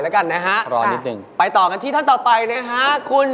เจอก็ตัวเท่านั้นอยู่แล้วครับ